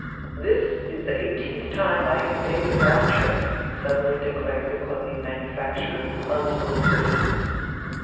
"This is the eighteenth time I have made the round trip," suddenly declared the clothing manufacturer, unsolicited.